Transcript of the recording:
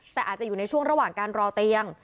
แต่อาจจะอยู่ในช่วงระหว่างการรอเตียง